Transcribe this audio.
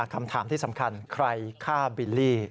คำถามที่สำคัญใครฆ่าบิลลี่